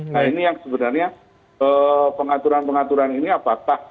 nah ini yang sebenarnya pengaturan pengaturan ini apakah